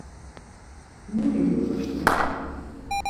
Mu ivu haşo?